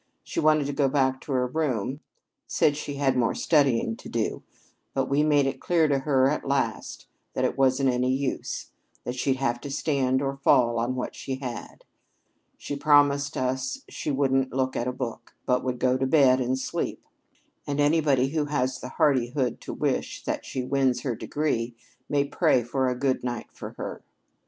She wanted to go back to her room said she had more studying to do; but we made it clear to her at last that it wasn't any use, that she'd have to stand or fall on what she had. She promised us she wouldn't look at a book, but would go to bed and sleep, and anybody who has the hardihood to wish that she wins her degree may pray for a good night for her."